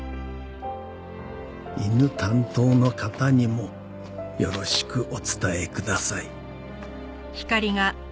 「犬担当の方にもよろしく御伝え下さい」